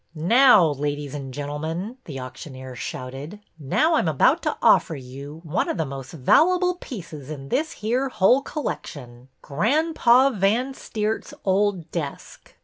Now, ladies and gen'l'men,'^ the auctioneer shouted, '' now I 'm about to offer you one of the most vallable pieces in this here whole collection, Granpa Van Steert's old desk.